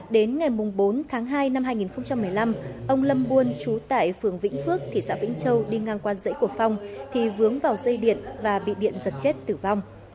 đến ngày bốn tháng hai năm hai nghìn một mươi năm ông lâm buôn trú tại phường vĩnh phước thị xã vĩnh châu đi ngang qua dãy của phong thì vướng vào dây điện và bị điện giật chết tử vong